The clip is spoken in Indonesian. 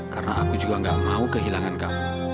karena aku juga enggak mau kehilangan kamu